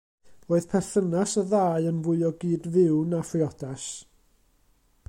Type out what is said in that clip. Roedd perthynas y ddau yn fwy o gyd-fyw na phriodas.